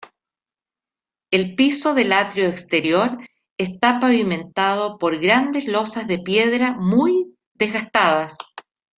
El piso del atrio exterior está pavimentado por grandes losas de piedra muy desgastadas.